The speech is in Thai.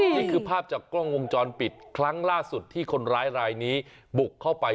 นี่คือภาพจากกล้องวงจรปิดครั้งล่าสุดที่คนร้ายรายนี้บุกเข้าไป